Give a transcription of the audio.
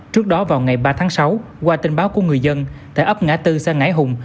trước đó vào ngày ba tháng sáu qua tin báo của người dân tại ấp ngã tư xã ngãi hùng